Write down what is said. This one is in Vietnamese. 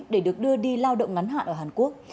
để được đưa đi lao động ngắn hạn ở hàn quốc